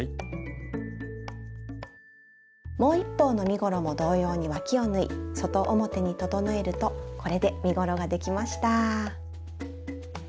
もう一方の身ごろも同様にわきを縫い外表に整えるとこれで身ごろができました。